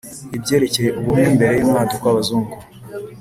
ibyerekeye ubumwe mbere y'umwaduko w'abazungu